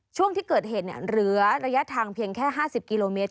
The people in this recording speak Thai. ช่วงที่เกิดเหตุเหลือระยะทางเพียงแค่๕๐กิโลเมตร